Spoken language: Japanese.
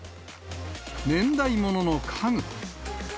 年代物の家具。